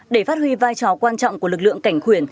để phát huy vai trò quan trọng của lực lượng cảnh khuyển